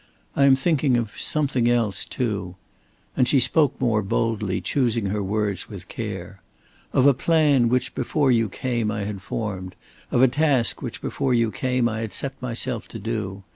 I am thinking of something else, too " and she spoke more boldly, choosing her words with care "of a plan which before you came I had formed, of a task which before you came I had set myself to do.